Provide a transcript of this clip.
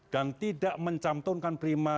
dan tidak mencamtunkan prima